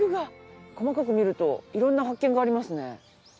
細かく見ると色んな発見がありますね。